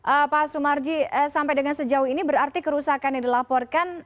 oke pak sumarji sampai dengan sejauh ini berarti kerusakan yang dilaporkan